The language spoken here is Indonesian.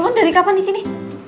lo dari kapan disini